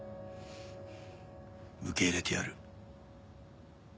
受け入れてやる。